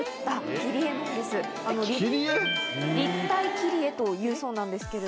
切り絵⁉立体切り絵というそうなんです。